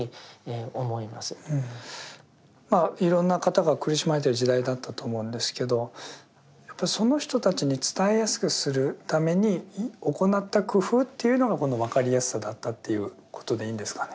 まあいろんな方が苦しまれてる時代だったと思うんですけどやっぱりその人たちに伝えやすくするために行った工夫というのがこの分かりやすさだったということでいいんですかね。